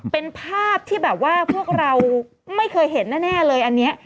เป็นภาพที่แบบว่าพวกเราไม่เคยเห็นแน่เลยอันนี้